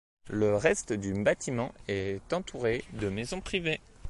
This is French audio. Le reste du bâtiment est entouré de maisons privées.